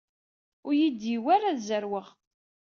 Ur iyi-d-yehwi ara ad zerweɣ.